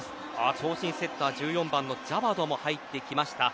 長身セッター１４番のジャバードも入ってきました。